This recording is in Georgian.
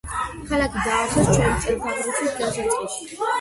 ქალაქი დააარსეს ჩვენი წელთაღრიცხვის დასაწყისში.